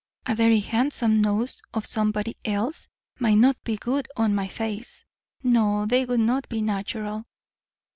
A very handsome nose of somebody else might not be good on my face. No, they would not be natural."